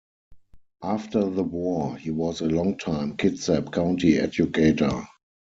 After the war, he was a longtime Kitsap County educator.